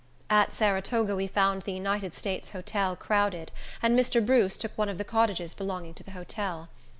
At Saratoga we found the United States Hotel crowded, and Mr. Bruce took one of the cottages belonging to the hotel.